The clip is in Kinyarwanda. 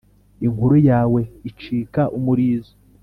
Inkuru yawe icika umurizo